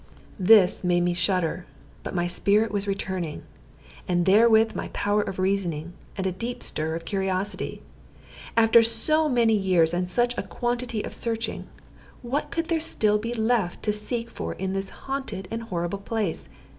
This made me shudder; but my spirit was returning, and therewith my power of reasoning, and a deep stir of curiosity. After so many years and such a quantity of searching, what could there still be left to seek for in this haunted and horrible place?